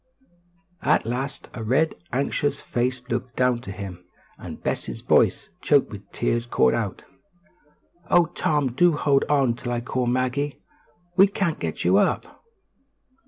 At last a red, anxious face looked down to him, and Bessie's voice, choked with tears, called out: "Oh, Tom, do hold on till I call Maggie; we can't get you up."